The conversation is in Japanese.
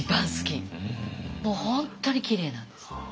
もう本当にきれいなんです。